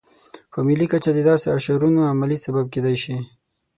په ملي کچه د داسې اشرونو عملي سبب کېدای شي.